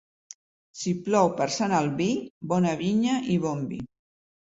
Si plou per Sant Albí, bona vinya i bon vi.